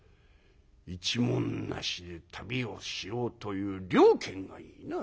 一文無しで旅をしようという了見がいいな。